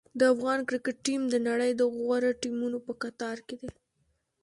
د افغان کرکټ ټیم د نړۍ د غوره ټیمونو په کتار کې دی.